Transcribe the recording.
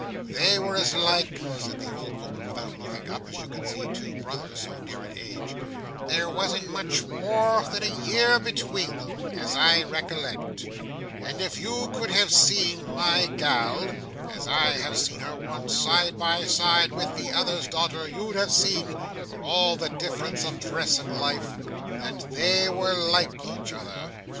"They were as like," said the old woman, without looking up, as you could see two brothers, so near an age—there wasn't much more than a year between them, as I recollect—and if you could have seen my gal, as I have seen her once, side by side with the other's daughter, you'd have seen, for all the difference of dress and life, that they were like each other.